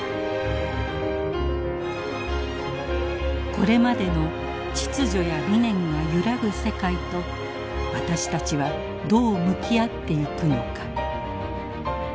これまでの秩序や理念が揺らぐ世界と私たちはどう向き合っていくのか。